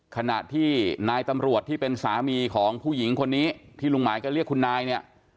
ขณะที่นายตำรวจที่เป็นสามีของผู้หญิงคนนี้ที่ลุงหมายก็เรียกคุณนายเนี่ย